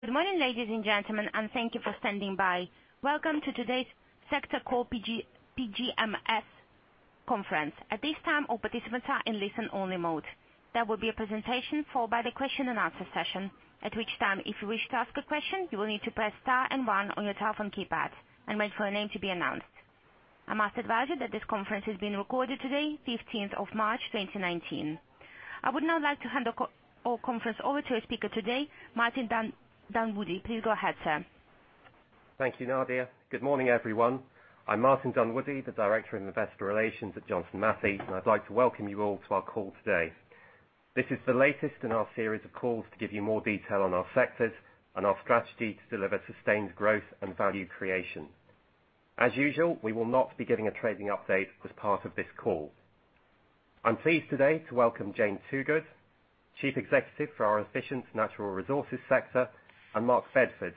Good morning, ladies and gentlemen, thank you for standing by. Welcome to today's sector call, PGMS conference. At this time, all participants are in listen only mode. There will be a presentation followed by the question and answer session. At which time, if you wish to ask a question, you will need to press star and one on your telephone keypad and wait for a name to be announced. I must advise you that this conference is being recorded today, 15th of March 2019. I would now like to hand our conference over to our speaker today, Martin Dunwoodie. Please go ahead, sir. Thank you, Nadia. Good morning, everyone. I'm Martin Dunwoodie, the Director of Investor Relations at Johnson Matthey, I'd like to welcome you all to our call today. This is the latest in our series of calls to give you more detail on our sectors and our strategy to deliver sustained growth and value creation. As usual, we will not be giving a trading update as part of this call. I'm pleased today to welcome Jane Toogood, Chief Executive for our Efficient Natural Resources sector, Mark Bedford,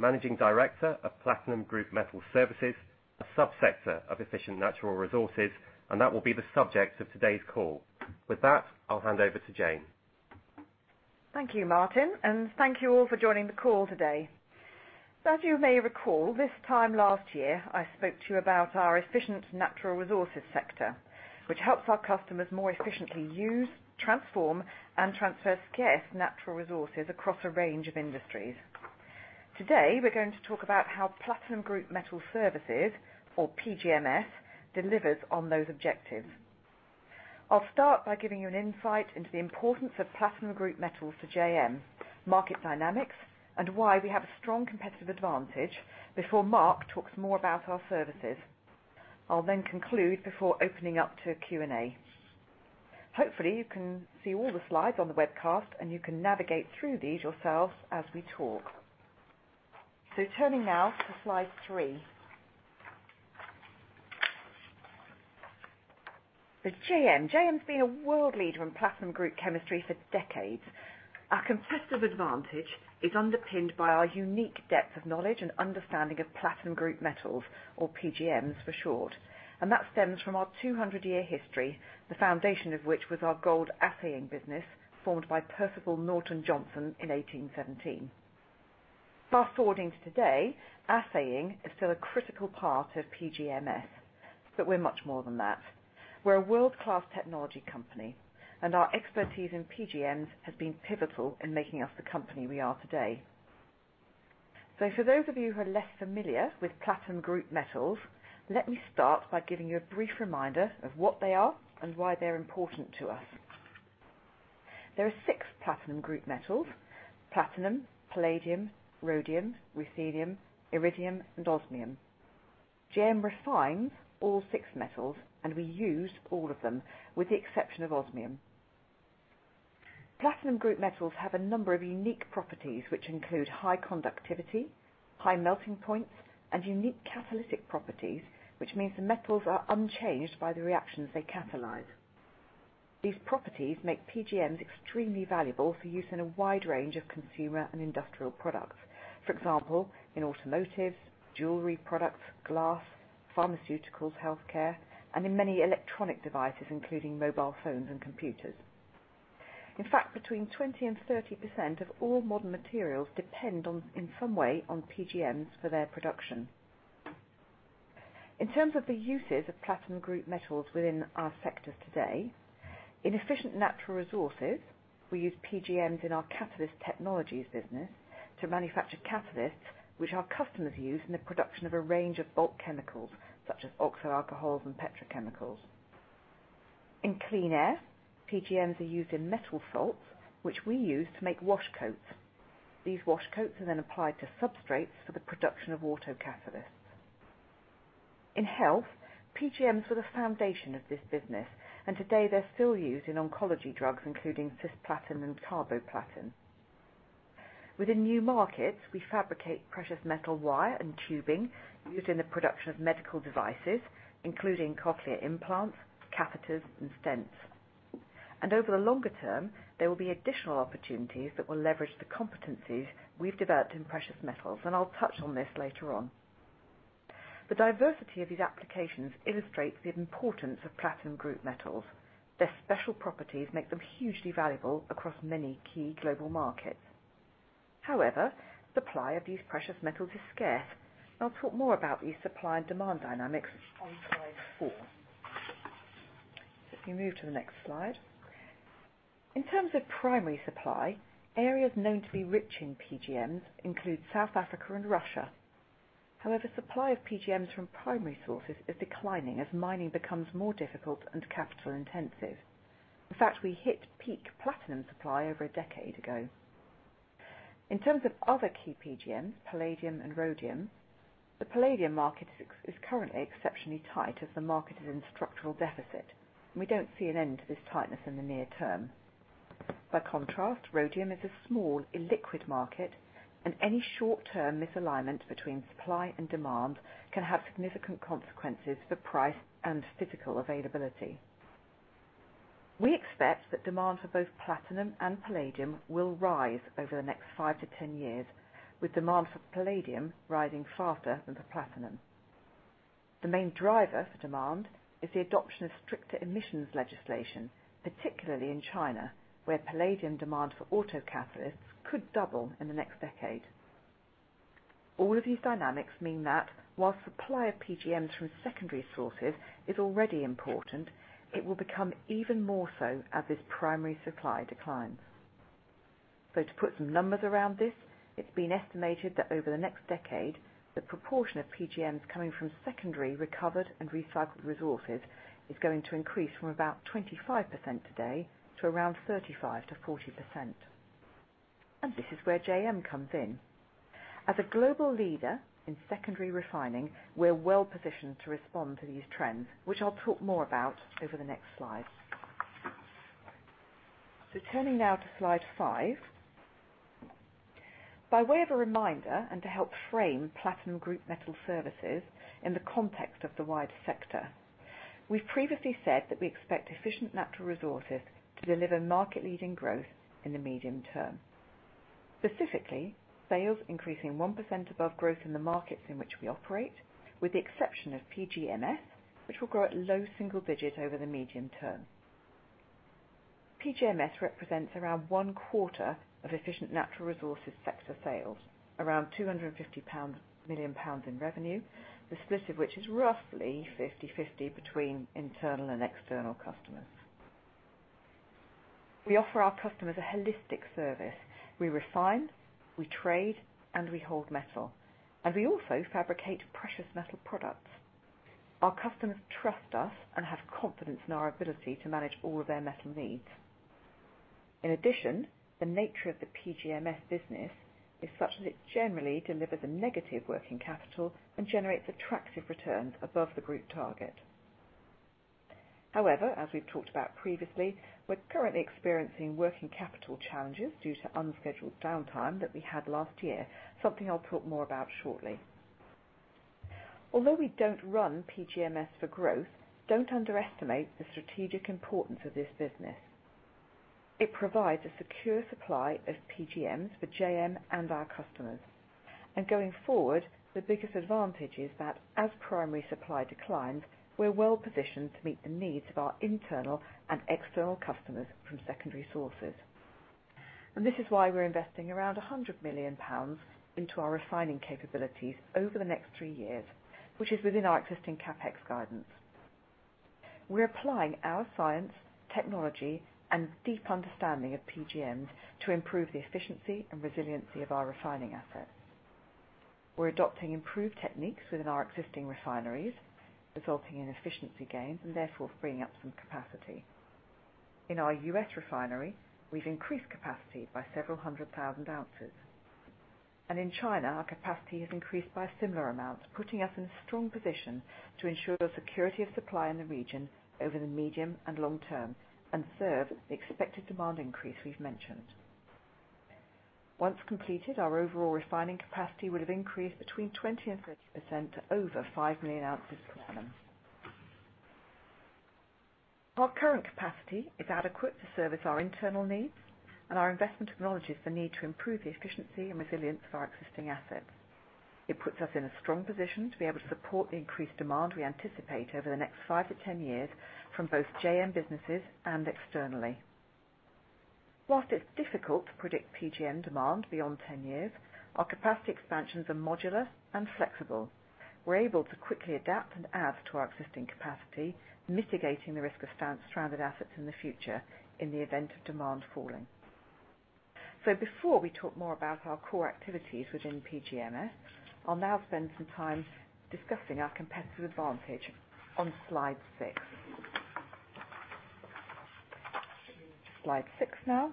Managing Director of Platinum Group Metal Services, a sub-sector of efficient natural resources, that will be the subject of today's call. With that, I'll hand over to Jane. Thank you, Martin, thank you all for joining the call today. As you may recall, this time last year, I spoke to you about our Efficient Natural Resources sector, which helps our customers more efficiently use, transform, and transfer scarce natural resources across a range of industries. Today, we're going to talk about how Platinum Group Metal Services, or PGMS, delivers on those objectives. I'll start by giving you an insight into the importance of platinum group metals to JM, market dynamics, and why we have a strong competitive advantage before Mark talks more about our services. I'll conclude before opening up to Q&A. Hopefully, you can see all the slides on the webcast, you can navigate through these yourselves as we talk. Turning now to slide three. With JM's been a world leader in platinum group chemistry for decades. Our competitive advantage is underpinned by our unique depth of knowledge and understanding of platinum group metals, or PGMs for short. That stems from our 200-year history, the foundation of which was our gold assaying business, formed by Percival Norton Johnson in 1817. Fast-forwarding to today, assaying is still a critical part of PGMS, we're much more than that. We're a world-class technology company, our expertise in PGMs has been pivotal in making us the company we are today. For those of you who are less familiar with platinum group metals, let me start by giving you a brief reminder of what they are and why they're important to us. There are six platinum group metals: platinum, palladium, rhodium, ruthenium, iridium, and osmium. JM refines all six metals, we use all of them, with the exception of osmium. Platinum Group Metals have a number of unique properties, which include high conductivity, high melting points, and unique catalytic properties, which means the metals are unchanged by the reactions they catalyze. These properties make PGMs extremely valuable for use in a wide range of consumer and industrial products. For example, in automotives, jewelry products, glass, pharmaceuticals, healthcare, and in many electronic devices, including mobile phones and computers. In fact, between 20%-30% of all modern materials depend on, in some way, on PGMs for their production. In terms of the uses of Platinum Group Metals within our sectors today, in Efficient Natural Resources, we use PGMs in our Catalyst Technologies business to manufacture catalysts, which our customers use in the production of a range of bulk chemicals, such as oxo alcohols and petrochemicals. In Clean Air, PGMs are used in metal salts, which we use to make washcoats. These washcoats are then applied to substrates for the production of autocatalysts. In health, PGMs were the foundation of this business, and today they're still used in oncology drugs, including cisplatin and carboplatin. Within new markets, we fabricate precious metal wire and tubing used in the production of medical devices, including cochlear implants, catheters, and stents. Over the longer term, there will be additional opportunities that will leverage the competencies we've developed in precious metals, and I'll touch on this later on. The diversity of these applications illustrates the importance of Platinum Group Metals. Their special properties make them hugely valuable across many key global markets. However, supply of these precious metals is scarce. I'll talk more about these supply and demand dynamics on slide four. If you move to the next slide. In terms of primary supply, areas known to be rich in PGMs include South Africa and Russia. However, supply of PGMs from primary sources is declining as mining becomes more difficult and capital intensive. In fact, we hit peak platinum supply over a decade ago. In terms of other key PGMs, palladium and rhodium, the palladium market is currently exceptionally tight as the market is in structural deficit. We don't see an end to this tightness in the near term. By contrast, rhodium is a small illiquid market, and any short-term misalignment between supply and demand can have significant consequences for price and physical availability. We expect that demand for both platinum and palladium will rise over the next 5-10 years, with demand for palladium rising faster than for platinum. The main driver for demand is the adoption of stricter emissions legislation, particularly in China, where palladium demand for auto catalysts could double in the next decade. All of these dynamics mean that while supply of PGMs from secondary sources is already important, it will become even more so as this primary supply declines. To put some numbers around this, it's been estimated that over the next decade, the proportion of PGMs coming from secondary recovered and recycled resources is going to increase from about 25% today to around 35%-40%. This is where JM comes in. As a global leader in secondary refining, we're well-positioned to respond to these trends, which I'll talk more about over the next slide. Turning now to slide five. By way of a reminder and to help frame Platinum Group Metal Services in the context of the wider sector, we've previously said that we expect Efficient Natural Resources to deliver market-leading growth in the medium term. Specifically, sales increasing 1% above growth in the markets in which we operate, with the exception of PGMS, which will grow at low double digits over the medium term. PGMS represents around one-quarter of Efficient Natural Resources sector sales, around 250 million pounds in revenue, the split of which is roughly 50/50 between internal and external customers. We offer our customers a holistic service. We refine, we trade, and we hold metal, and we also fabricate precious metal products. Our customers trust us and have confidence in our ability to manage all of their metal needs. In addition, the nature of the PGMS business is such that it generally delivers a negative working capital and generates attractive returns above the group target. However, as we've talked about previously, we're currently experiencing working capital challenges due to unscheduled downtime that we had last year, something I'll talk more about shortly. Although we don't run PGMS for growth, don't underestimate the strategic importance of this business. It provides a secure supply of PGMs for JM and our customers. Going forward, the biggest advantage is that as primary supply declines, we're well-positioned to meet the needs of our internal and external customers from secondary sources. This is why we're investing around 100 million pounds into our refining capabilities over the next three years, which is within our existing CapEx guidance. We're applying our science, technology, and deep understanding of PGMs to improve the efficiency and resiliency of our refining assets. We're adopting improved techniques within our existing refineries, resulting in efficiency gains and therefore bringing up some capacity. In our U.S. refinery, we've increased capacity by several hundred thousand ounces. In China, our capacity has increased by a similar amount, putting us in a strong position to ensure security of supply in the region over the medium and long term and serve the expected demand increase we've mentioned. Once completed, our overall refining capacity will have increased between 20%-30% to over 5 million ounces per annum. Our current capacity is adequate to service our internal needs, and our investment acknowledges the need to improve the efficiency and resilience of our existing assets. It puts us in a strong position to be able to support the increased demand we anticipate over the next 5 to 10 years from both JM businesses and externally. Whilst it's difficult to predict PGM demand beyond 10 years, our capacity expansions are modular and flexible. We're able to quickly adapt and add to our existing capacity, mitigating the risk of stranded assets in the future in the event of demand falling. Before we talk more about our core activities within PGMS, I'll now spend some time discussing our competitive advantage on slide six. Slide six now.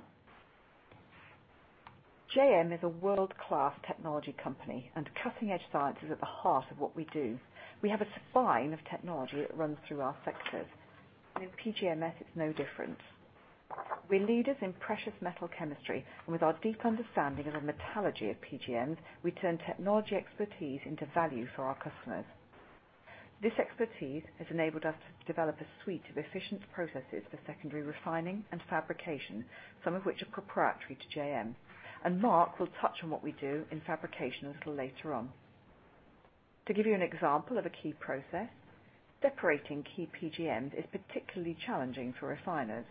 JM is a world-class technology company, and cutting-edge science is at the heart of what we do. We have a spine of technology that runs through our sectors, and in PGMS, it's no different. We're leaders in precious metal chemistry, with our deep understanding of the metallurgy of PGMs, we turn technology expertise into value for our customers. This expertise has enabled us to develop a suite of efficient processes for secondary refining and fabrication, some of which are proprietary to JM. Mark will touch on what we do in fabrication a little later on. To give you an example of a key process, separating key PGMs is particularly challenging for refiners.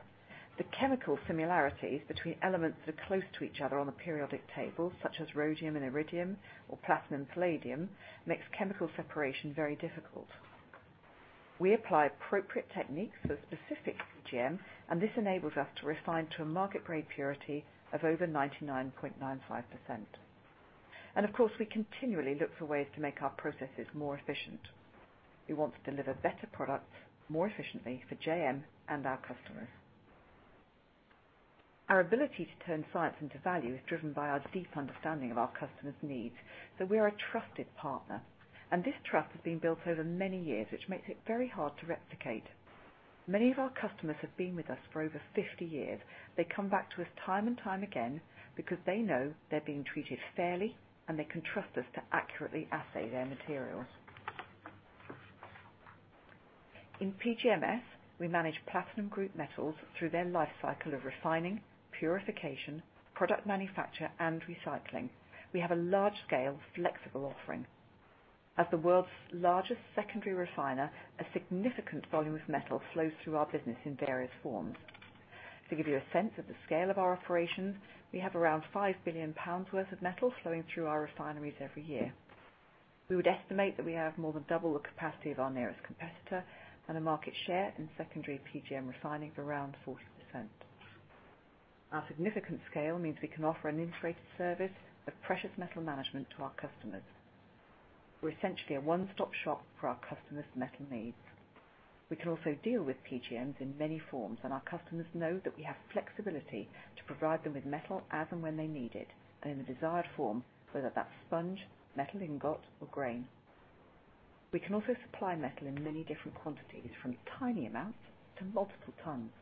The chemical similarities between elements that are close to each other on the periodic table, such as rhodium and iridium or platinum palladium, makes chemical separation very difficult. We apply appropriate techniques for specific PGM, and this enables us to refine to a market-grade purity of over 99.95%. Of course, we continually look for ways to make our processes more efficient. We want to deliver better products more efficiently for JM and our customers. Our ability to turn science into value is driven by our deep understanding of our customers' needs. We are a trusted partner, this trust has been built over many years, which makes it very hard to replicate. Many of our customers have been with us for over 50 years. They come back to us time and time again because they know they're being treated fairly, and they can trust us to accurately assay their materials. In PGMS, we manage platinum group metals through their life cycle of refining, purification, product manufacture, and recycling. We have a large-scale flexible offering. As the world's largest secondary refiner, a significant volume of metal flows through our business in various forms. To give you a sense of the scale of our operations, we have around 5 billion pounds worth of metal flowing through our refineries every year. We would estimate that we have more than double the capacity of our nearest competitor and a market share in secondary PGM refining of around 40%. Our significant scale means we can offer an integrated service of precious metal management to our customers. We're essentially a one-stop shop for our customers' metal needs. We can also deal with PGMs in many forms, and our customers know that we have flexibility to provide them with metal as and when they need it and in the desired form, whether that's sponge, metal ingot or grain. We can also supply metal in many different quantities, from tiny amounts to multiple tons.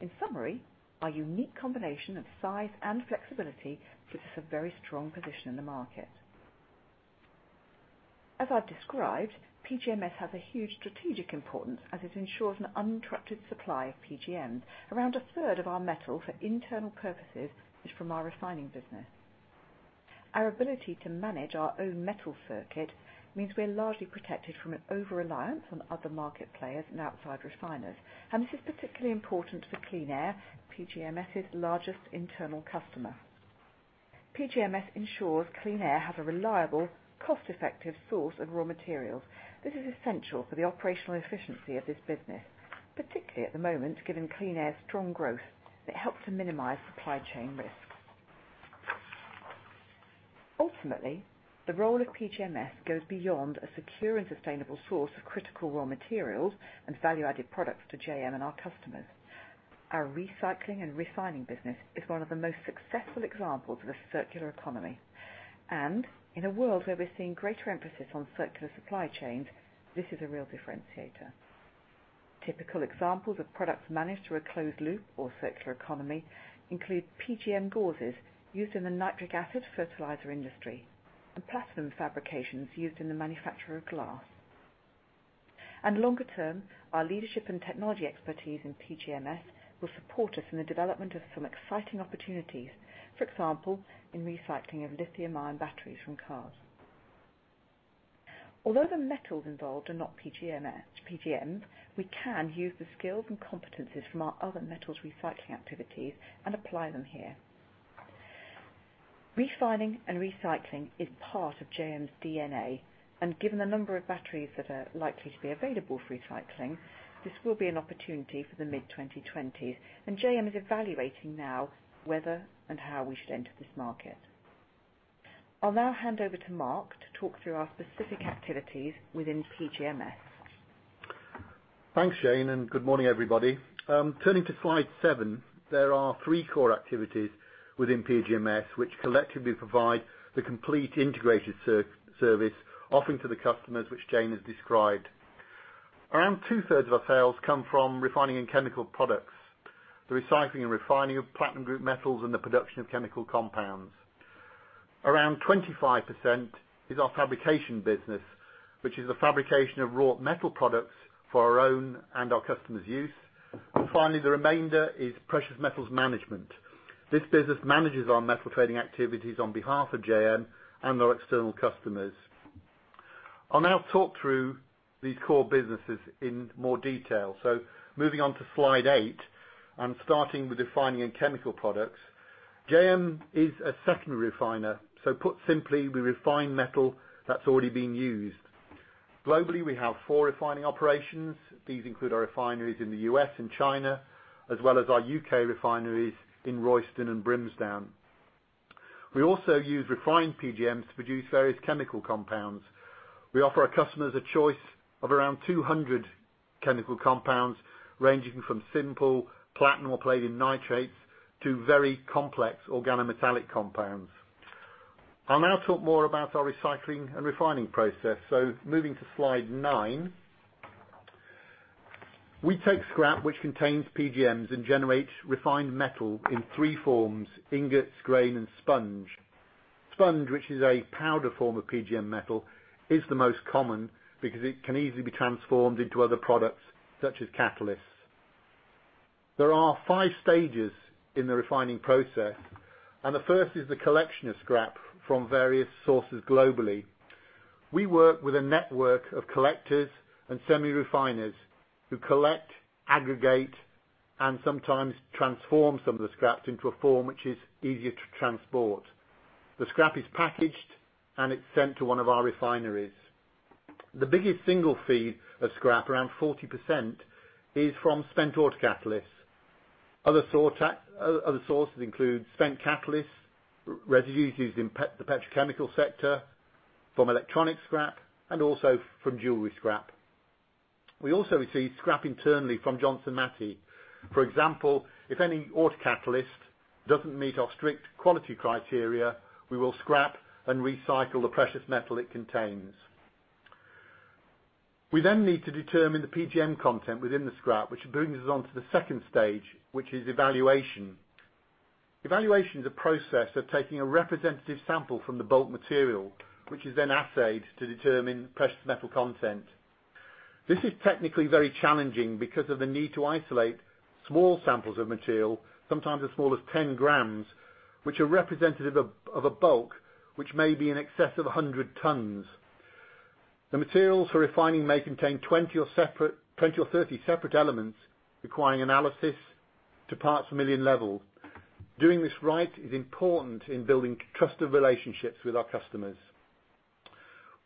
In summary, our unique combination of size and flexibility gives us a very strong position in the market. As I've described, PGMS has a huge strategic importance as it ensures a trusted supply of PGM. Around a third of our metal for internal purposes is from our refining business. Our ability to manage our own metal circuit means we are largely protected from an over-reliance on other market players and outside refiners, this is particularly important for Clean Air, PGMS' largest internal customer. PGMS ensures Clean Air has a reliable, cost-effective source of raw materials. This is essential for the operational efficiency of this business, particularly at the moment, given Clean Air's strong growth that helps to minimize supply chain risk. Ultimately, the role of PGMS goes beyond a secure and sustainable source of critical raw materials and value-added products to JM and our customers. Our recycling and refining business is one of the most successful examples of a circular economy, and in a world where we're seeing greater emphasis on circular supply chains, this is a real differentiator. Typical examples of products managed through a closed loop or circular economy include PGM gauzes used in the nitric acid fertilizer industry and platinum fabrications used in the manufacture of glass. Longer term, our leadership and technology expertise in PGMS will support us in the development of some exciting opportunities, for example, in recycling of lithium-ion batteries from cars. Although the metals involved are not PGMs, we can use the skills and competencies from our other metals recycling activities and apply them here. Refining and recycling is part of JM's DNA. Given the number of batteries that are likely to be available for recycling, this will be an opportunity for the mid-2020s. JM is evaluating now whether and how we should enter this market. I'll now hand over to Mark to talk through our specific activities within PGMS. Thanks, Jane, and good morning, everybody. Turning to slide seven, there are three core activities within PGMS, which collectively provide the complete integrated service offering to the customers which Jane has described. Around two-thirds of our sales come from refining and chemical products, the recycling and refining of platinum group metals, and the production of chemical compounds. Around 25% is our fabrication business, which is the fabrication of raw metal products for our own and our customers' use. Finally, the remainder is precious metals management. This business manages our metal trading activities on behalf of JM and our external customers. Moving on to slide eight, I'm starting with refining and chemical products. JM is a secondary refiner, so put simply, we refine metal that's already been used. Globally, we have four refining operations. These include our refineries in the U.S. and China, as well as our U.K. refineries in Royston and Brimsdown. We also use refined PGMs to produce various chemical compounds. We offer our customers a choice of around 200 chemical compounds, ranging from simple platinum or palladium nitrates to very complex organometallic compounds. I'll now talk more about our recycling and refining process. Moving to slide nine. We take scrap which contains PGMs and generate refined metal in three forms: ingots, grain, and sponge. Sponge, which is a powder form of PGM metal, is the most common because it can easily be transformed into other products such as catalysts. There are 5 stages in the refining process. The first is the collection of scrap from various sources globally. We work with a network of collectors and semi-refiners who collect, aggregate, and sometimes transform some of the scraps into a form which is easier to transport. The scrap is packaged. It's sent to one of our refineries. The biggest single feed of scrap, around 40%, is from spent autocatalysts. Other sources include spent catalysts, residues used in the petrochemical sector, from electronic scrap, and also from jewelry scrap. We also receive scrap internally from Johnson Matthey. For example, if any autocatalyst doesn't meet our strict quality criteria, we will scrap and recycle the precious metal it contains. We then need to determine the PGM content within the scrap, which brings us on to the stage 2, which is evaluation. Evaluation is a process of taking a representative sample from the bulk material, which is then assayed to determine precious metal content. This is technically very challenging because of the need to isolate small samples of material, sometimes as small as 10 grams, which are representative of a bulk which may be in excess of 100 tons. The materials for refining may contain 20 or 30 separate elements, requiring analysis to parts per million level. Doing this right is important in building trusted relationships with our customers.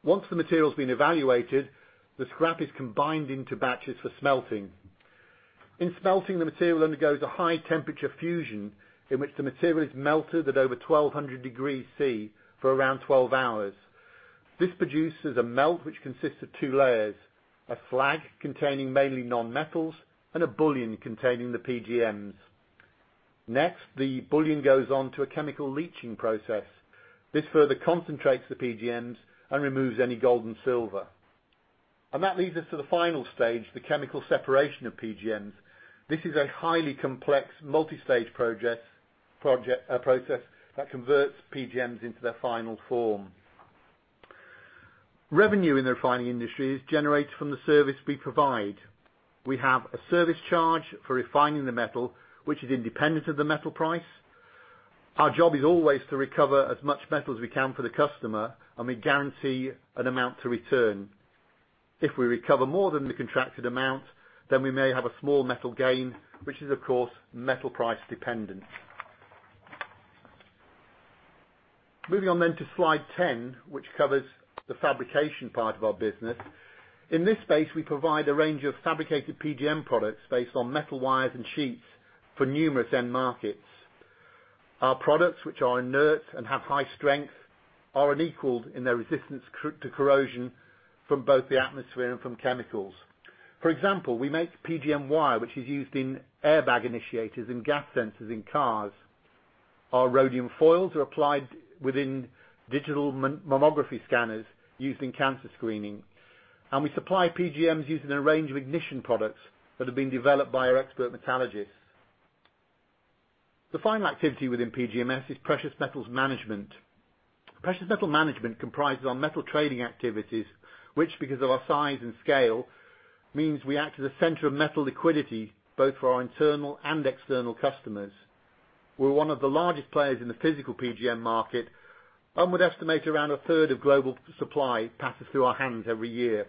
Once the material has been evaluated, the scrap is combined into batches for smelting. In smelting, the material undergoes a high-temperature fusion in which the material is melted at over 1,200 degrees C for around 12 hours. This produces a melt which consists of two layers, a slag containing mainly non-metals and a bullion containing the PGMs. The bullion goes on to a chemical leaching process. This further concentrates the PGMs and removes any gold and silver. That leads us to the final stage, the chemical separation of PGMs. This is a highly complex multi-stage process that converts PGMs into their final form. Revenue in the refining industry is generated from the service we provide. We have a service charge for refining the metal, which is independent of the metal price. Our job is always to recover as much metal as we can for the customer. We guarantee an amount to return. If we recover more than the contracted amount, we may have a small metal gain, which is, of course, metal price dependent. Moving on to slide 10, which covers the fabrication part of our business. In this space, we provide a range of fabricated PGM products based on metal wires and sheets for numerous end markets. Our products, which are inert and have high strength, are unequaled in their resistance to corrosion from both the atmosphere and from chemicals. For example, we make PGM wire, which is used in airbag initiators and gas sensors in cars. Our rhodium foils are applied within digital mammography scanners used in cancer screening. We supply PGMs used in a range of ignition products that have been developed by our expert metallurgists. The final activity within PGMS is Precious Metal Management. Precious Metal Management comprises our metal trading activities, which, because of our size and scale, means we act as a center of metal liquidity both for our internal and external customers. We're one of the largest players in the physical PGM market and would estimate around a third of global supply passes through our hands every year.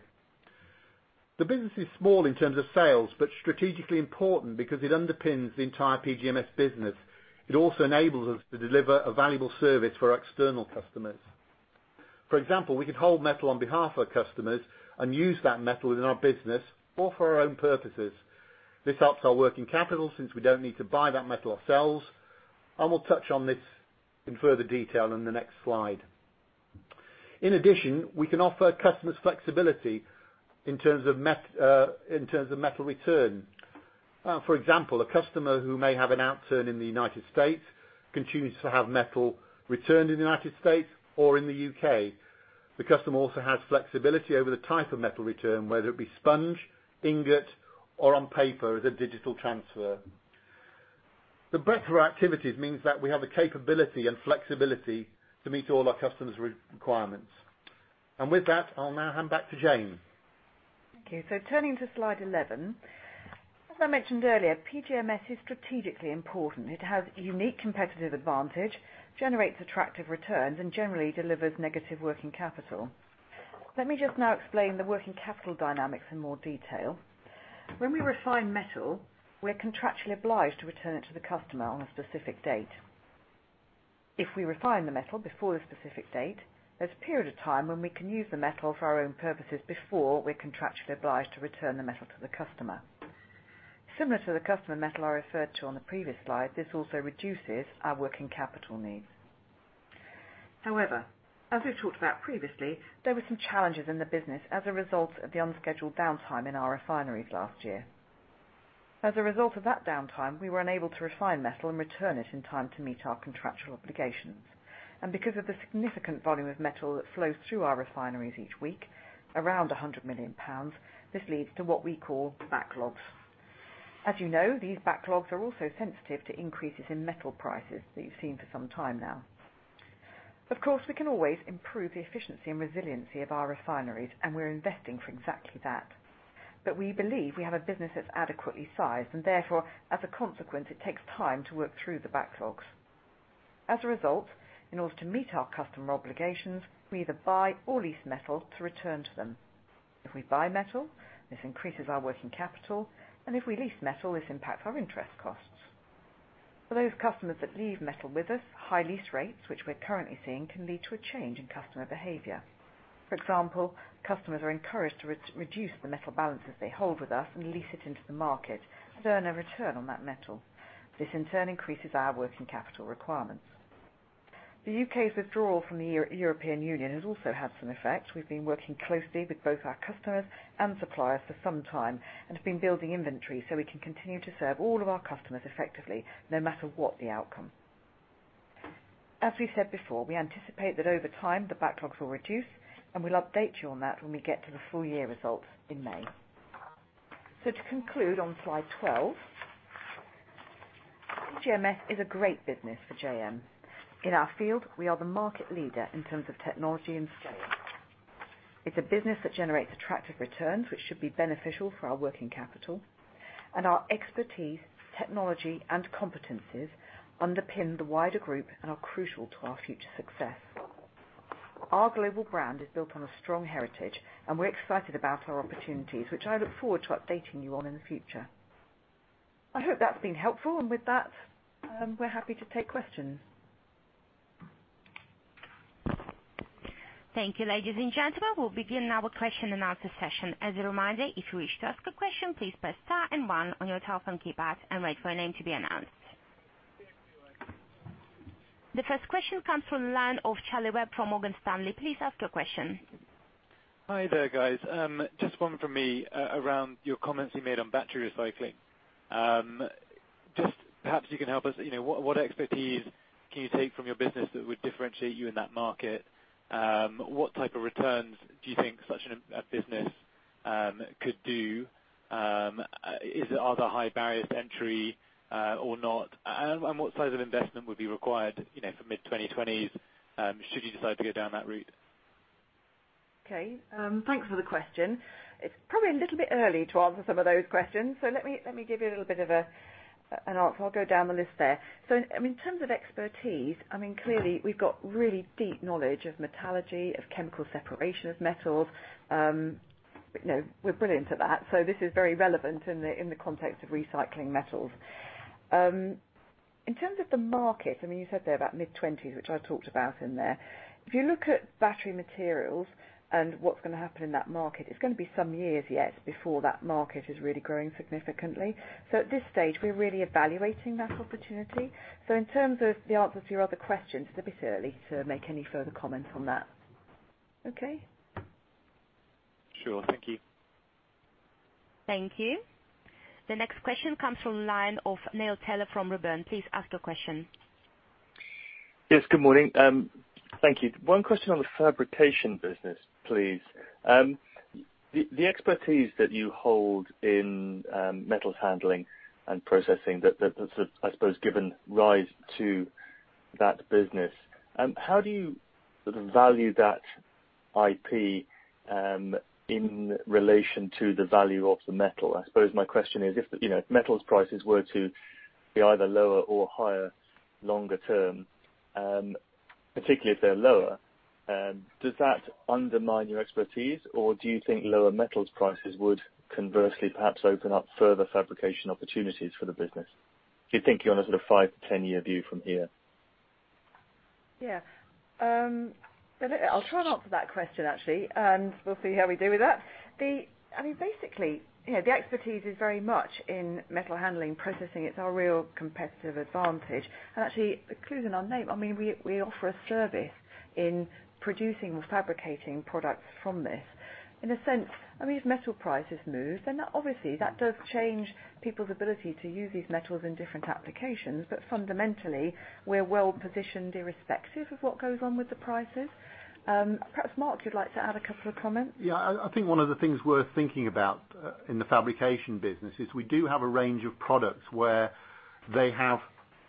The business is small in terms of sales, but strategically important because it underpins the entire PGMS business. It also enables us to deliver a valuable service for our external customers. For example, we could hold metal on behalf of our customers and use that metal within our business or for our own purposes. This helps our working capital since we don't need to buy that metal ourselves, and we'll touch on this in further detail in the next slide. In addition, we can offer customers flexibility in terms of metal return. For example, a customer who may have an outturn in the United States can choose to have metal returned in the United States or in the U.K. The customer also has flexibility over the type of metal return, whether it be sponge, ingot, or on paper as a digital transfer. The breadth of our activities means that we have the capability and flexibility to meet all our customers' requirements. With that, I'll now hand back to Jane. Okay, turning to slide 11. As I mentioned earlier, PGMS is strategically important. It has unique competitive advantage, generates attractive returns, and generally delivers negative working capital. Let me just now explain the working capital dynamics in more detail. When we refine metal, we're contractually obliged to return it to the customer on a specific date. If we refine the metal before the specific date, there's a period of time when we can use the metal for our own purposes before we're contractually obliged to return the metal to the customer. Similar to the customer metal I referred to on the previous slide, this also reduces our working capital needs. However, as we've talked about previously, there were some challenges in the business as a result of the unscheduled downtime in our refineries last year. As a result of that downtime, we were unable to refine metal and return it in time to meet our contractual obligations. Because of the significant volume of metal that flows through our refineries each week, around 100 million pounds, this leads to what we call backlogs. As you know, these backlogs are also sensitive to increases in metal prices that you've seen for some time now. Of course, we can always improve the efficiency and resiliency of our refineries, and we're investing for exactly that. We believe we have a business that's adequately sized, and therefore, as a consequence, it takes time to work through the backlogs. As a result, in order to meet our customer obligations, we either buy or lease metal to return to them. If we buy metal, this increases our working capital, and if we lease metal, this impacts our interest costs. For those customers that leave metal with us, high lease rates, which we're currently seeing, can lead to a change in customer behavior. For example, customers are encouraged to reduce the metal balances they hold with us and lease it into the market to earn a return on that metal. This in turn increases our working capital requirements. The U.K.'s withdrawal from the European Union has also had some effect. We've been working closely with both our customers and suppliers for some time and have been building inventory so we can continue to serve all of our customers effectively, no matter what the outcome. As we've said before, we anticipate that over time the backlogs will reduce, and we'll update you on that when we get to the full year results in May. To conclude on slide 12, PGMS is a great business for JM. In our field, we are the market leader in terms of technology and scale. It's a business that generates attractive returns, which should be beneficial for our working capital. Our expertise, technology, and competencies underpin the wider group and are crucial to our future success. Our global brand is built on a strong heritage, and we're excited about our opportunities, which I look forward to updating you on in the future. I hope that's been helpful. With that, we're happy to take questions. Thank you, ladies and gentlemen. We'll begin now a question and answer session. As a reminder, if you wish to ask a question, please press star and one on your telephone keypad and wait for your name to be announced. The first question comes from the line of Charlie Webb from Morgan Stanley. Please ask your question. Hi there, guys. One from me, around your comments you made on battery recycling. Perhaps you can help us, what expertise can you take from your business that would differentiate you in that market? What type of returns do you think such a business could do? Are there high barriers to entry or not? What size of investment would be required for mid-2020s, should you decide to go down that route? Okay. Thanks for the question. It's probably a little bit early to answer some of those questions. Let me give you a little bit of an answer. I'll go down the list there. In terms of expertise, clearly, we've got really deep knowledge of metallurgy, of chemical separation of metals. We're brilliant at that. This is very relevant in the context of recycling metals. In terms of the market, you said there about mid-20s, which I talked about in there. If you look at battery materials and what's going to happen in that market, it's going to be some years yet before that market is really growing significantly. At this stage, we're really evaluating that opportunity. In terms of the answer to your other questions, it's a bit early to make any further comment on that. Okay? Sure. Thank you. Thank you. The next question comes from the line of Neil Tyler from Redburn. Please ask your question. Yes, good morning. Thank you. One question on the fabrication business, please. The expertise that you hold in metals handling and processing that, I suppose, has given rise to that business. How do you value that IP in relation to the value of the metal? I suppose my question is, if metals prices were to be either lower or higher longer term, particularly if they're lower, does that undermine your expertise, or do you think lower metals prices would conversely perhaps open up further fabrication opportunities for the business? Do you think you're on a sort of 5 to 10-year view from here? Yeah. I'll try and answer that question, actually, and we'll see how we do with that. Basically, the expertise is very much in metal handling processing. It's our real competitive advantage. Actually, the clue's in our name. We offer a service in producing or fabricating products from this. In a sense, if metal prices move, then obviously that does change people's ability to use these metals in different applications. Fundamentally, we're well positioned irrespective of what goes on with the prices. Perhaps, Mark, you'd like to add a couple of comments? Yeah, I think one of the things worth thinking about in the fabrication business is we do have a range of products where they have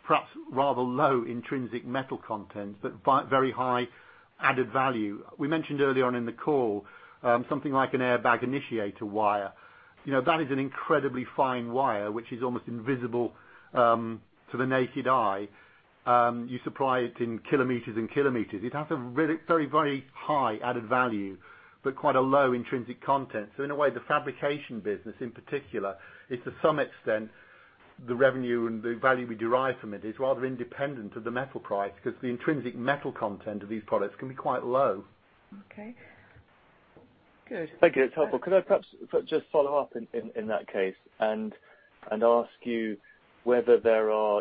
perhaps rather low intrinsic metal content, but very high added value. We mentioned early on in the call something like an airbag initiator wire. That is an incredibly fine wire, which is almost invisible to the naked eye. You supply it in kilometers and kilometers. It has a very high added value, but quite a low intrinsic content. In a way, the fabrication business in particular is to some extent, the revenue and the value we derive from it is rather independent of the metal price because the intrinsic metal content of these products can be quite low. Okay. Good. Thank you. That's helpful. Could I perhaps just follow up in that case and ask you whether there are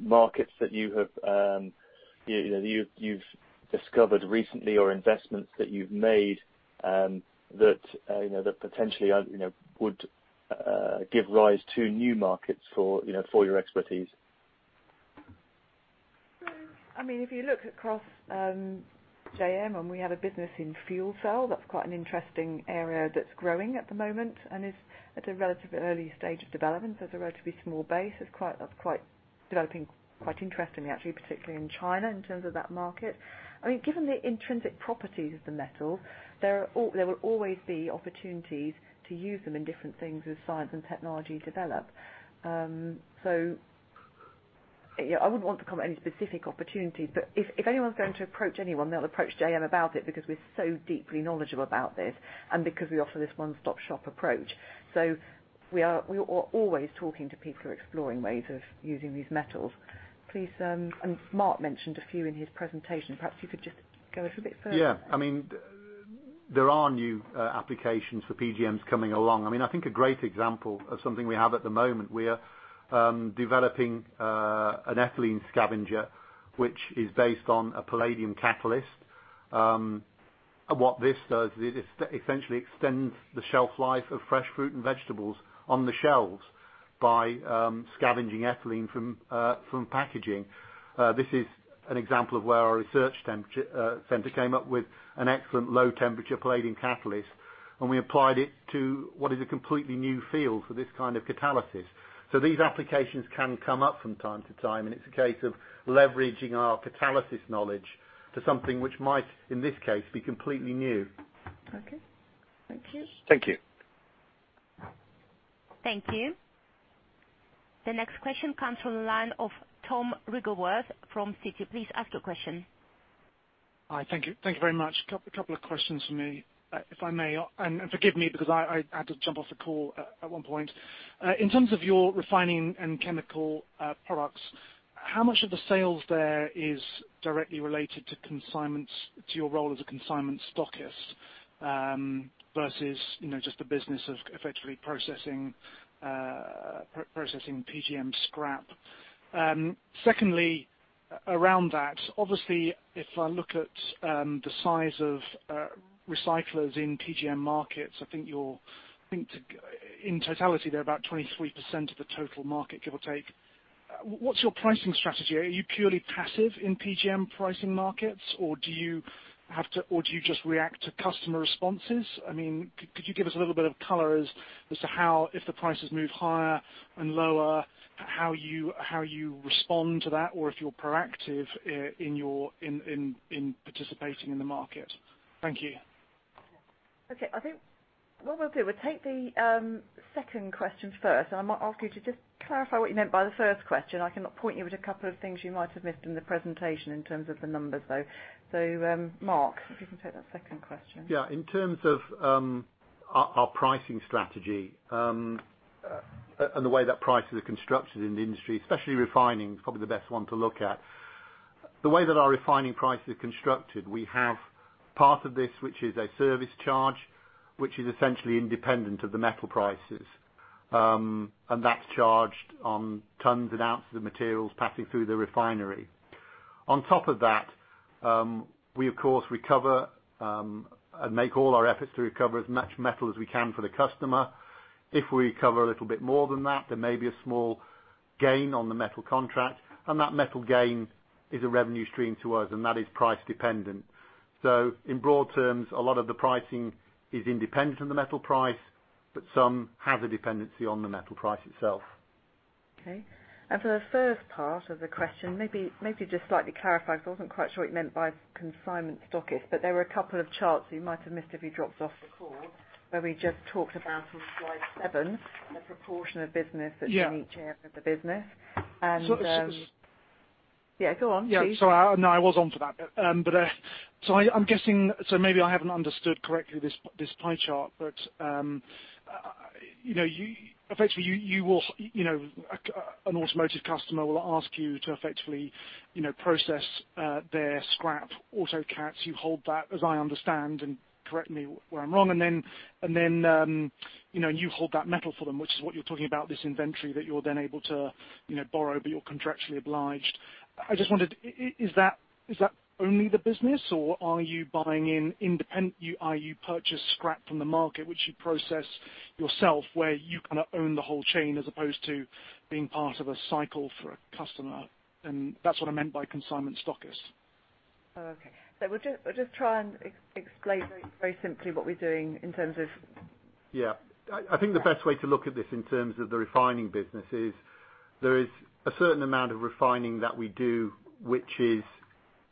markets that you've discovered recently or investments that you've made that potentially would give rise to new markets for your expertise? If you look across JM, and we have a business in fuel cell, that's quite an interesting area that's growing at the moment and is at a relatively early stage of development. There's a relatively small base that's developing quite interestingly, actually, particularly in China in terms of that market. Given the intrinsic properties of the metal, there will always be opportunities to use them in different things as science and technology develop. I wouldn't want to comment on any specific opportunities, but if anyone's going to approach anyone, they'll approach JM about it because we're so deeply knowledgeable about this and because we offer this one-stop shop approach. We are always talking to people who are exploring ways of using these metals. Please, Mark mentioned a few in his presentation. Perhaps you could just go a bit further. Yeah. There are new applications for PGMs coming along. I think a great example of something we have at the moment, we are developing an ethylene scavenger, which is based on a palladium catalyst. What this does is it essentially extends the shelf life of fresh fruit and vegetables on the shelves by scavenging ethylene from packaging. This is an example of where our research center came up with an excellent low temperature palladium catalyst, and we applied it to what is a completely new field for this kind of catalysis. These applications can come up from time to time, and it's a case of leveraging our catalysis knowledge for something which might, in this case, be completely new. Okay. Thank you. Thank you. Thank you. The next question comes from the line of Tom Riggeworth from Citi. Please ask your question. Hi. Thank you. Thank you very much. Couple of questions from me, if I may, and forgive me because I had to jump off the call at one point. In terms of your refining and chemical products, how much of the sales there is directly related to your role as a consignment stockist, versus just the business of effectively processing PGM scrap? Secondly, around that, obviously, if I look at the size of recyclers in PGM markets, I think, in totality, they're about 23% of the total market, give or take. What's your pricing strategy? Are you purely passive in PGM pricing markets, or do you just react to customer responses? Could you give us a little bit of color as to how if the prices move higher and lower, how you respond to that, or if you're proactive in participating in the market? Thank you. Okay. What we'll do, we'll take the second question first, and I might ask you to just clarify what you meant by the first question. I can point you at a couple of things you might have missed in the presentation in terms of the numbers, though. Mark, if you can take that second question. Yeah. In terms of our pricing strategy, and the way that prices are constructed in the industry, especially refining, it's probably the best one to look at. The way that our refining price is constructed, we have part of this, which is a service charge, which is essentially independent of the metal prices. That's charged on tons and ounces of materials passing through the refinery. On top of that, we of course recover, and make all our efforts to recover as much metal as we can for the customer. If we recover a little bit more than that, there may be a small gain on the metal contract, and that metal gain is a revenue stream to us, and that is price dependent. In broad terms, a lot of the pricing is independent of the metal price, but some have a dependency on the metal price itself. Okay. For the first part of the question, maybe just slightly clarify, because I wasn't quite sure what you meant by consignment stockist, there were a couple of charts that you might have missed if you dropped off the call, where we just talked about on slide seven, the proportion of business that- Yeah you need to have with the business.- just- Yeah, go on, please. Yeah. Sorry. No, I was on for that. I'm guessing, maybe I haven't understood correctly this pie chart. Effectively, an automotive customer will ask you to effectively process their scrap auto cats. You hold that, as I understand, and correct me where I'm wrong, and then you hold that metal for them, which is what you're talking about, this inventory that you're then able to borrow, but you're contractually obliged. I just wondered, is that only the business, or are you buying in independent scrap from the market, which you process yourself, where you own the whole chain, as opposed to being part of a cycle for a customer. That's what I meant by consignment stockist. Oh, okay. We'll just try and explain very simply what we're doing in terms of- Yeah. I think the best way to look at this in terms of the refining business is there is a certain amount of refining that we do, which is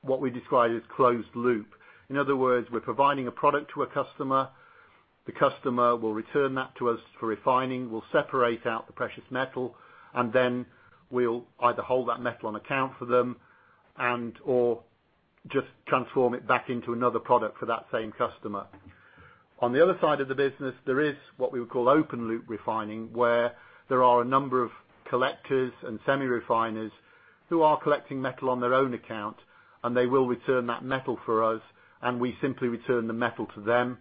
what we describe as closed loop. In other words, we're providing a product to a customer. The customer will return that to us for refining. We'll separate out the precious metal, and then we'll either hold that metal on account for them and/or just transform it back into another product for that same customer. On the other side of the business, there is what we would call open loop refining, where there are a number of collectors and semi refiners who are collecting metal on their own account, and they will return that metal for us, and we simply return the metal to them,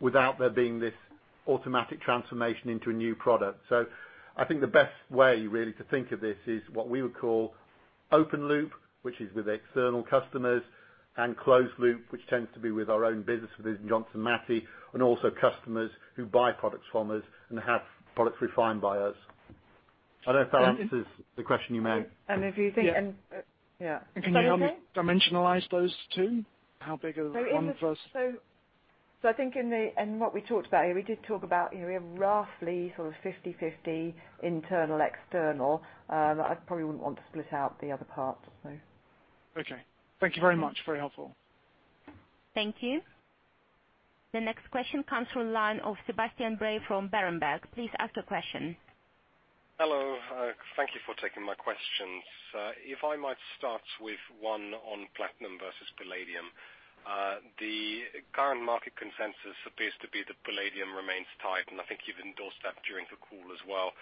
without there being this automatic transformation into a new product. I think the best way, really, to think of this is what we would call open loop, which is with external customers, and closed loop, which tends to be with our own business within Johnson Matthey, and also customers who buy products from us and have products refined by us. I don't know if that answers the question you made. if you think and Yeah. Sorry, what was that? Can you dimensionalize those two? How big are one versus- I think in what we talked about here, we did talk about we have roughly sort of 50/50 internal, external. I probably wouldn't want to split out the other part. Okay. Thank you very much. Very helpful. Thank you. The next question comes from the line of Sebastian Bray from Berenberg. Please ask your question. Hello. Thank you for taking my questions. If I might start with one on platinum versus palladium. The current market consensus appears to be that palladium remains tight, and I think you've endorsed that during the call as well.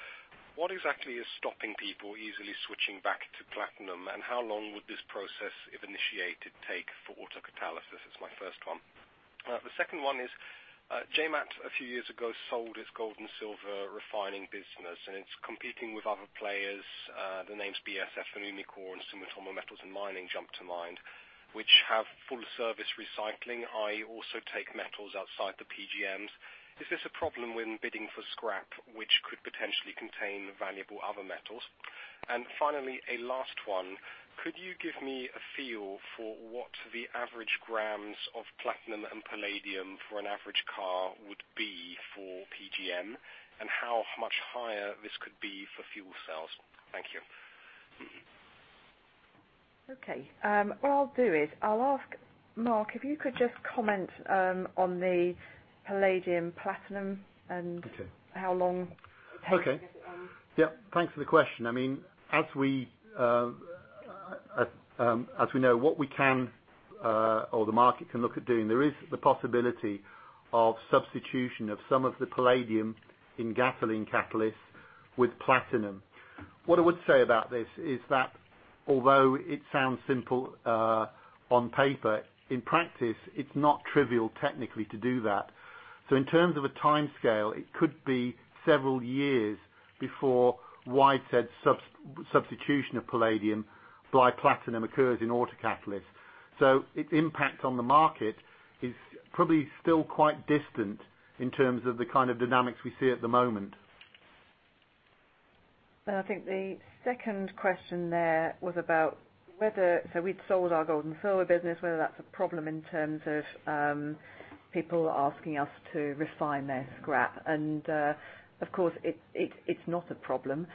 What exactly is stopping people easily switching back to platinum, and how long would this process, if initiated, take for autocatalysis? It's my first one. The second one is, JM, a few years ago, sold its gold and silver refining business, and it's competing with other players. The names BASF and Umicore and Sumitomo Metal Mining jump to mind, which have full-service recycling. I also take metals outside the PGMs. Is this a problem when bidding for scrap, which could potentially contain valuable other metals? Finally, a last one. Could you give me a feel for what the average grams of platinum and palladium for an average car would be for PGM, and how much higher this could be for fuel cells? Thank you. Okay. What I'll do is, I'll ask Mark if you could just comment on the palladium platinum. Okay how long it takes? Okay. Yes. Thanks for the question. As we know, what we can or the market can look at doing, there is the possibility of substitution of some of the palladium in gasoline catalysts with platinum. What I would say about this is that although it sounds simple on paper, in practice, it's not trivial technically to do that. In terms of a timescale, it could be several years before widespread substitution of palladium by platinum occurs in autocatalysts. Its impact on the market is probably still quite distant in terms of the kind of dynamics we see at the moment. I think the second question there was about whether, so we'd sold our gold and silver business, whether that's a problem in terms of people asking us to refine their scrap. Of course, it's not a problem.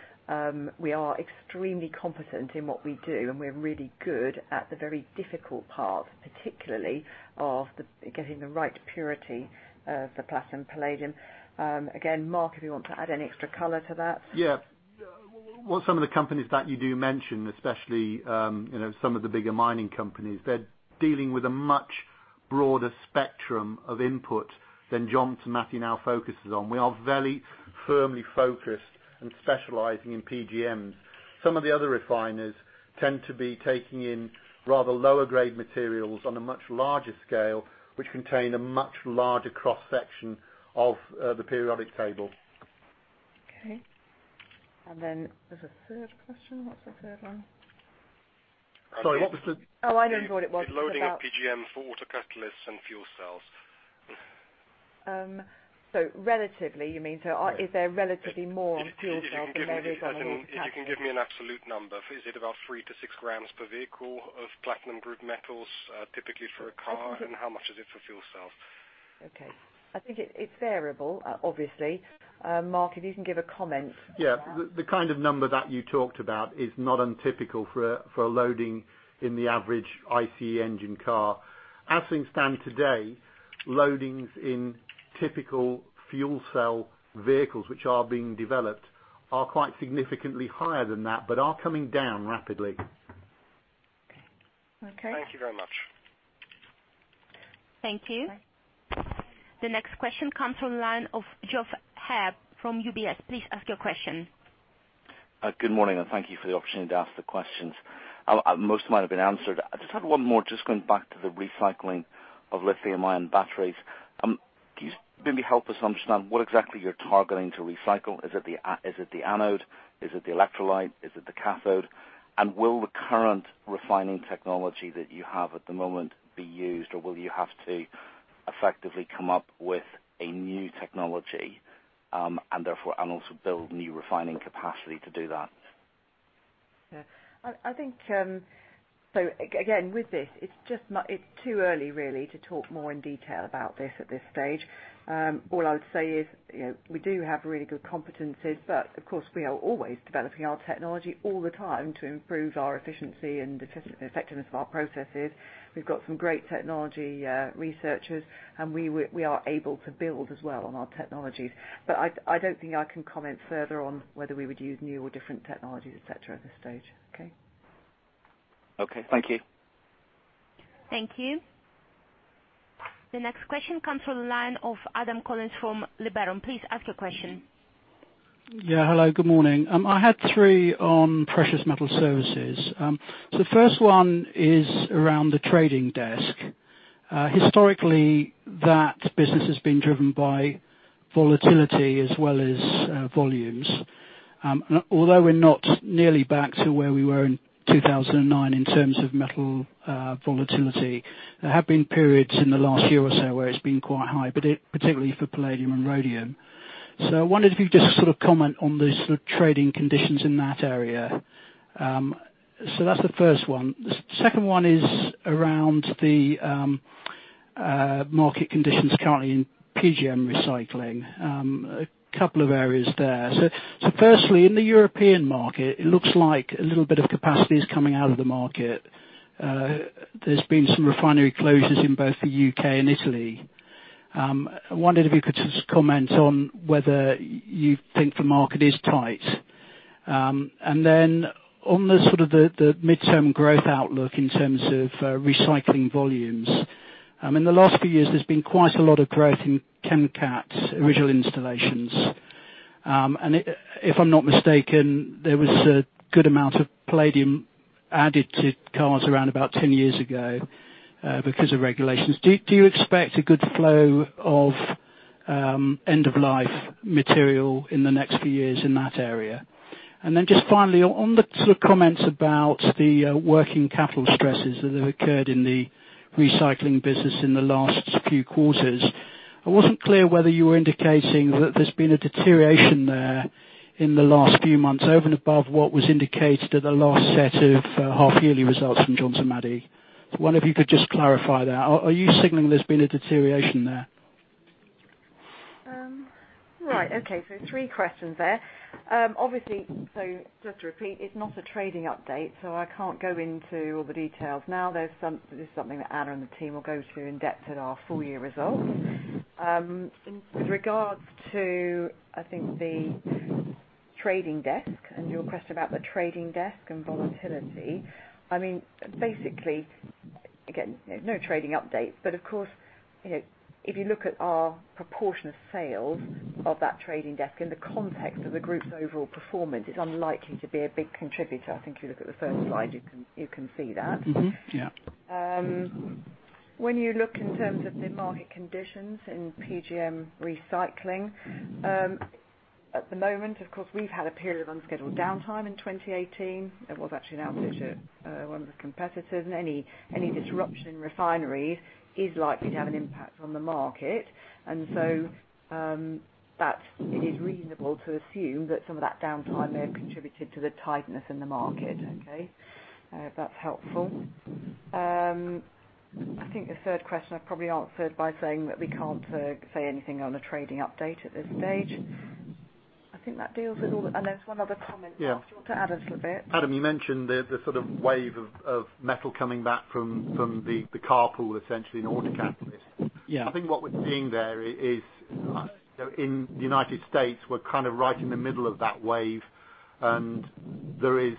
We are extremely competent in what we do, and we're really good at the very difficult part, particularly of getting the right purity of the platinum palladium. Again, Mark, if you want to add any extra color to that. Yes. Well, some of the companies that you do mention, especially some of the bigger mining companies, they're dealing with a much broader spectrum of input than Johnson Matthey now focuses on. We are very firmly focused on specializing in PGMs. Some of the other refiners tend to be taking in rather lower-grade materials on a much larger scale, which contain a much larger cross-section of the periodic table. Okay. There's a third question. What's the third one? Sorry, what was the- Oh, I know what it was. Loading of PGM for autocatalysts and fuel cells. Is there relatively more fuel cell than there is on the catalyst? If you can give me an absolute number. Is it about three to six grams per vehicle of platinum group metals, typically for a car, and how much is it for fuel cells? Okay. I think it's variable, obviously. Mark, if you can give a comment on that. Yeah. The kind of number that you talked about is not untypical for a loading in the average ICE engine car. As things stand today, loadings in typical fuel cell vehicles which are being developed are quite significantly higher than that, but are coming down rapidly. Okay. Thank you very much. Thank you. The next question comes from the line of Geoff Haire from UBS. Please ask your question. Good morning, and thank you for the opportunity to ask the questions. Most might have been answered. I just had one more just going back to the recycling of lithium-ion batteries. Can you maybe help us understand what exactly you're targeting to recycle? Is it the anode? Is it the electrolyte? Is it the cathode? Will the current refining technology that you have at the moment be used, or will you have to effectively come up with a new technology, and therefore, and also build new refining capacity to do that? Yeah. Again, with this, it's too early really to talk more in detail about this at this stage. All I'd say is we do have really good competencies, but of course, we are always developing our technology all the time to improve our efficiency and the effectiveness of our processes. We've got some great technology researchers, and we are able to build as well on our technologies. I don't think I can comment further on whether we would use new or different technologies, et cetera, at this stage. Okay? Okay. Thank you. Thank you. The next question comes from the line of Adam Collins from Liberum. Please ask your question. Hello, good morning. I had three on precious metal services. The first one is around the trading desk. Historically, that business has been driven by volatility as well as volumes. Although we're not nearly back to where we were in 2009 in terms of metal volatility, there have been periods in the last year or so where it's been quite high, particularly for palladium and rhodium. I wondered if you'd just sort of comment on the sort of trading conditions in that area. That's the first one. The second one is around the market conditions currently in PGM recycling. A couple of areas there. Firstly, in the European market, it looks like a little bit of capacity is coming out of the market. There's been some refinery closures in both the U.K. and Italy. I wondered if you could just comment on whether you think the market is tight. Then on the sort of the midterm growth outlook in terms of recycling volumes. In the last few years, there's been quite a lot of growth in catalytic converter original installations. If I'm not mistaken, there was a good amount of palladium added to cars around about 10 years ago because of regulations. Do you expect a good flow of end-of-life material in the next few years in that area? Then just finally, on the comments about the working capital stresses that have occurred in the recycling business in the last few quarters, I wasn't clear whether you were indicating that there's been a deterioration there in the last few months over and above what was indicated at the last set of half-yearly results from Johnson Matthey. I wonder if you could just clarify that. Are you signaling there's been a deterioration there? Right. Okay. Three questions there. Obviously, just to repeat, it's not a trading update, so I can't go into all the details now. This is something that Anna and the team will go through in depth at our full year results. With regards to, I think the trading desk and your question about the trading desk and volatility. Basically, again, there's no trading update. Of course, if you look at our proportion of sales of that trading desk in the context of the group's overall performance, it's unlikely to be a big contributor. I think you look at the first slide you can see that. Mm-hmm. Yeah. When you look in terms of the market conditions in PGM recycling, at the moment, of course, we've had a period of unscheduled downtime in 2018. It was actually an outage at one of the competitors, and any disruption in refineries is likely to have an impact on the market. It is reasonable to assume that some of that downtime may have contributed to the tightness in the market. Okay? If that's helpful. I think the third question I've probably answered by saying that we can't say anything on a trading update at this stage. I think that deals with all. Yeah Mark, do you want to add a little bit? Adam, you mentioned the sort of wave of metal coming back from the car pool, essentially, in autocatalysts. Yeah. I think what we're seeing there is, in the United States, we're kind of right in the middle of that wave, and there is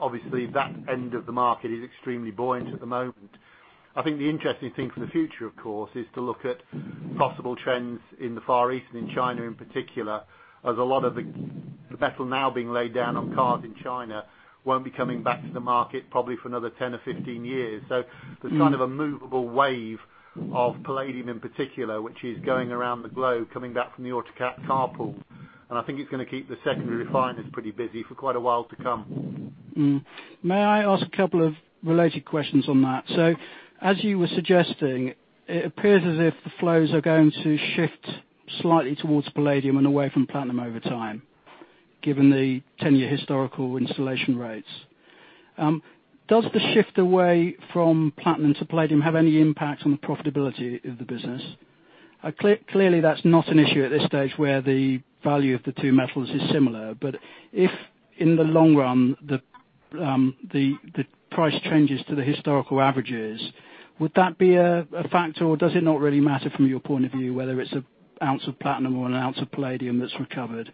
obviously that end of the market is extremely buoyant at the moment. I think the interesting thing for the future, of course, is to look at possible trends in the Far East and in China in particular, as a lot of the metal now being laid down on cars in China won't be coming back to the market, probably for another 10 or 15 years. There's kind of a movable wave of palladium in particular, which is going around the globe coming back from the autocat car pool, and I think it's going to keep the secondary refiners pretty busy for quite a while to come. May I ask a couple of related questions on that? As you were suggesting, it appears as if the flows are going to shift slightly towards palladium and away from platinum over time, given the 10-year historical installation rates. Does the shift away from platinum to palladium have any impact on the profitability of the business? Clearly, that's not an issue at this stage where the value of the two metals is similar. If, in the long run, the price changes to the historical averages, would that be a factor or does it not really matter from your point of view, whether it's an ounce of platinum or an ounce of palladium that's recovered?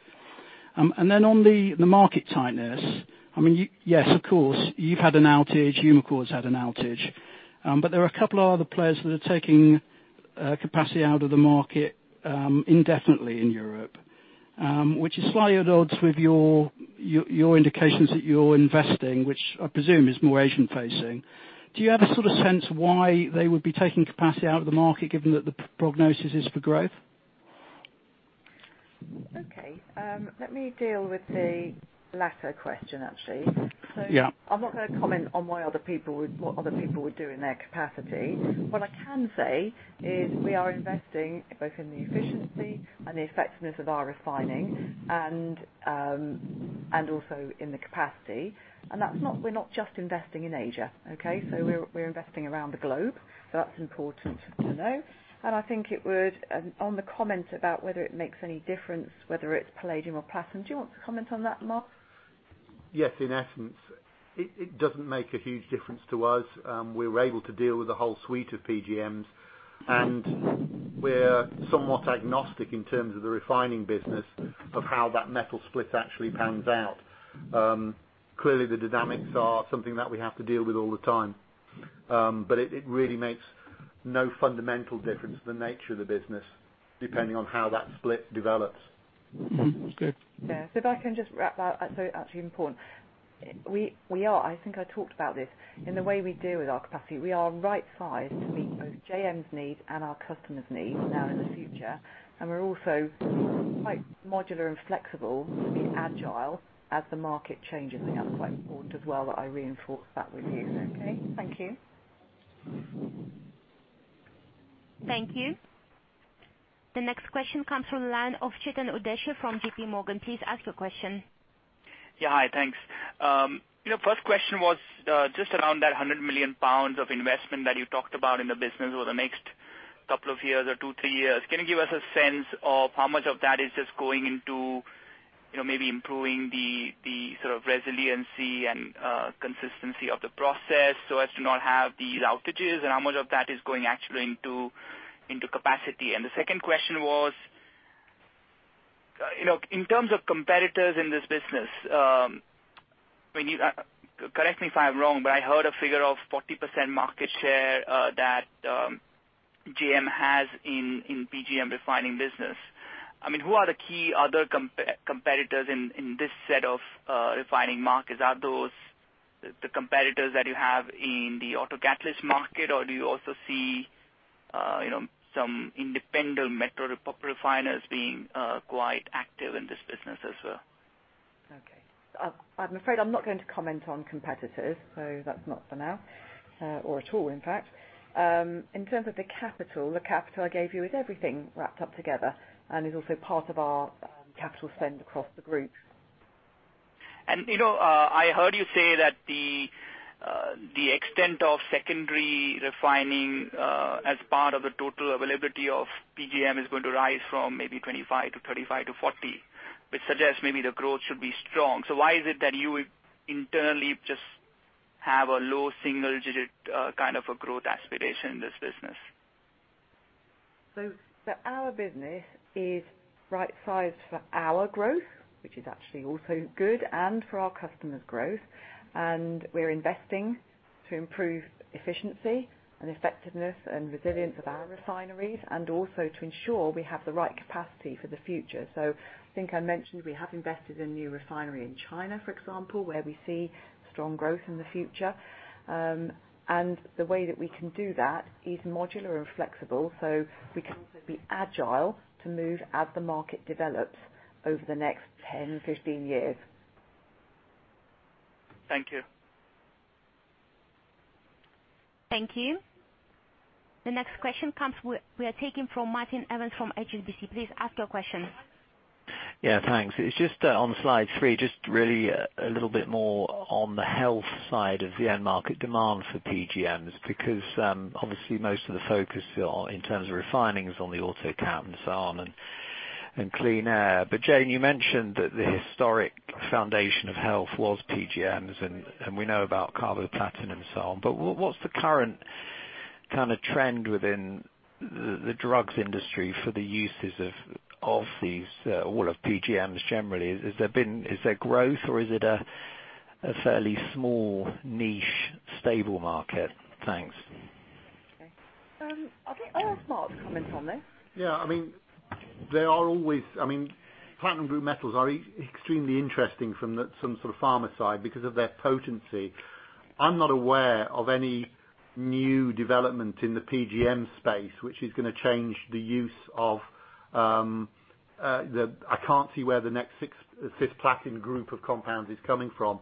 Then on the market tightness, yes, of course, you've had an outage, Umicore's had an outage. There are a couple of other players that are taking capacity out of the market indefinitely in Europe, which is slightly at odds with your indications that you're investing, which I presume is more Asian-facing. Do you have a sort of sense why they would be taking capacity out of the market given that the prognosis is for growth? Okay. Let me deal with the latter question, actually. Yeah. I'm not going to comment on what other people would do in their capacity. What I can say is we are investing both in the efficiency and the effectiveness of our refining and also in the capacity. We're not just investing in Asia. Okay? We're investing around the globe, that's important to know. I think it would, on the comment about whether it makes any difference, whether it's palladium or platinum, do you want to comment on that, Mark? Yes. In essence, it doesn't make a huge difference to us. We're able to deal with a whole suite of PGMs, and we're somewhat agnostic in terms of the refining business of how that metal split actually pans out. Clearly, the dynamics are something that we have to deal with all the time. It really makes no fundamental difference to the nature of the business, depending on how that split develops. Okay. Yeah. If I can just wrap that. Actually important, I think I talked about this, in the way we deal with our capacity, we are right-sized to meet both JM's needs and our customers' needs now in the future. We're also quite modular and flexible to be agile as the market changes. I think that's quite important as well that I reinforce that with you. Okay, thank you. Thank you. The next question comes from the line of Chetan Udeshi from JP Morgan. Please ask your question. Yeah. Hi, thanks. First question was just around that 100 million pounds of investment that you talked about in the business over the next couple of years or two, three years. Can you give us a sense of how much of that is just going into maybe improving the sort of resiliency and consistency of the process so as to not have these outages? How much of that is going actually into capacity? The second question was: in terms of competitors in this business-Correct me if I'm wrong, but I heard a figure of 40% market share that JM has in PGM refining business. Who are the key other competitors in this set of refining markets? Are those the competitors that you have in the auto catalyst market, or do you also see some independent metal refiners being quite active in this business as well? Okay. I'm afraid I'm not going to comment on competitors. That's not for now or at all, in fact. In terms of the capital, the capital I gave you is everything wrapped up together and is also part of our capital spend across the group. I heard you say that the extent of secondary refining as part of the total availability of PGM is going to rise from maybe 25 to 35 to 40, which suggests maybe the growth should be strong. Why is it that you internally just have a low single-digit growth aspiration in this business? Our business is right-sized for our growth, which is actually also good, for our customers' growth, we're investing to improve efficiency and effectiveness and resilience of our refineries, and also to ensure we have the right capacity for the future. I think I mentioned we have invested in a new refinery in China, for example, where we see strong growth in the future. The way that we can do that is modular and flexible, we can also be agile to move as the market develops over the next 10, 15 years. Thank you. Thank you. The next question we are taking from Martin Evans from HSBC. Please ask your question. Yeah, thanks. It is just on slide three, just really a little bit more on the health side of the end market demand for PGMs because, obviously, most of the focus in terms of refining is on the auto cat and so on, and Clean Air. Jane, you mentioned that the historic foundation of health was PGMs, and we know about carboplatin and so on. What is the current trend within the drugs industry for the uses of all of PGMs generally? Is there growth or is it a fairly small niche, stable market? Thanks. Okay. I will ask Mark to comment on this. Yeah. Platinum group metals are extremely interesting from the pharma side because of their potency. I am not aware of any new development in the PGM space, which is going to change the use of I cannot see where the next cisplatin group of compounds is coming from.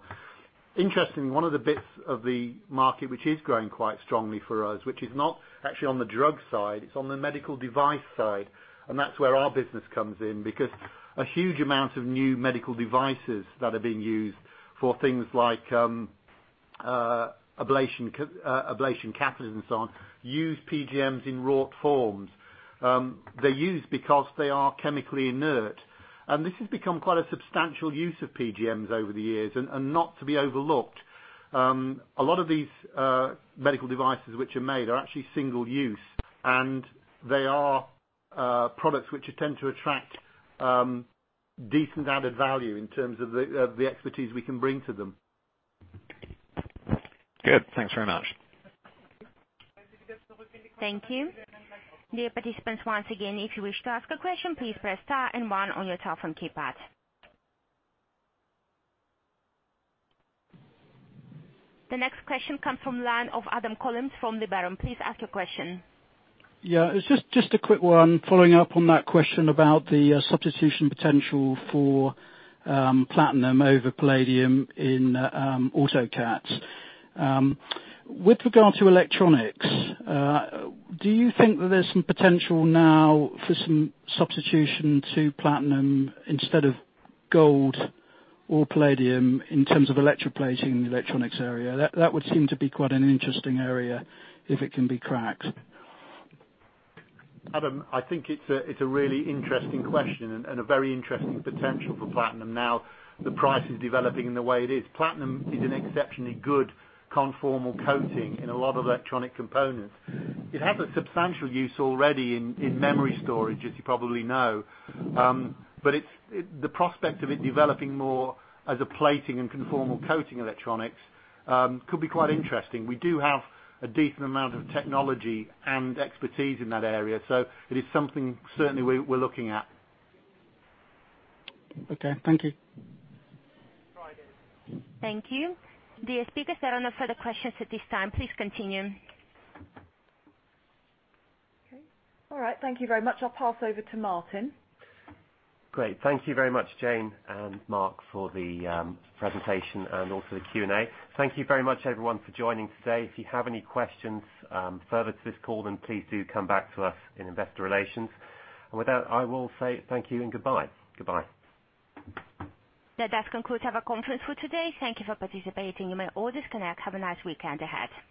Interestingly, one of the bits of the market which is growing quite strongly for us, which is not actually on the drug side, it is on the medical device side, and that is where our business comes in because a huge amount of new medical devices that are being used for things like ablation catheters and so on, use PGMs in raw forms. They are used because they are chemically inert. This has become quite a substantial use of PGMs over the years and not to be overlooked. A lot of these medical devices which are made are actually single use, and they are products which tend to attract decent added value in terms of the expertise we can bring to them. Good. Thanks very much. Thank you. Dear participants, once again, if you wish to ask a question, please press star and one on your telephone keypad. The next question comes from the line of Adam Collins from Liberum. Please ask your question. Yeah. It's just a quick one following up on that question about the substitution potential for platinum over palladium in auto cats. With regard to electronics, do you think that there's some potential now for some substitution to platinum instead of gold or palladium in terms of electroplating in the electronics area? That would seem to be quite an interesting area if it can be cracked. Adam, I think it's a really interesting question and a very interesting potential for platinum now the price is developing in the way it is. Platinum is an exceptionally good conformal coating in a lot of electronic components. It has a substantial use already in memory storage, as you probably know. The prospect of it developing more as a plating and conformal coating electronics could be quite interesting. We do have a decent amount of technology and expertise in that area, it is something certainly we're looking at. Okay. Thank you. Thank you. Dear speakers, there are no further questions at this time. Please continue. Okay. All right. Thank you very much. I'll pass over to Martin. Great. Thank you very much, Jane and Mark for the presentation and also the Q&A. Thank you very much, everyone, for joining today. If you have any questions further to this call, then please do come back to us in investor relations. With that, I will say thank you and goodbye. Goodbye. That concludes our conference for today. Thank you for participating. You may all disconnect. Have a nice weekend ahead.